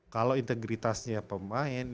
kalau integritasnya pemain